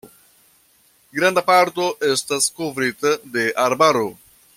Granda parto estas kovrita de arbaro.